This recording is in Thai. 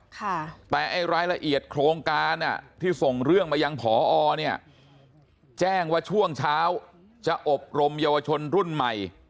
ค่ะแต่ไอ้รายละเอียดโครงการอ่ะที่ส่งเรื่องมายังพอเนี่ยแจ้งว่าช่วงเช้าจะอบรมเยาวชนรุ่นใหม่